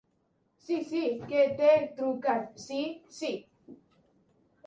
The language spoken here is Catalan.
Sí, sí que t'he trucat, sí, sí.